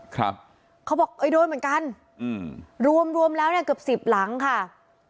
เขาบอกเอ้ยโดนเหมือนกันอืมรวมรวมแล้วเนี่ยเกือบสิบหลังค่ะ